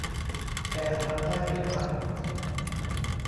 แต่อาจทำได้เป็นพัก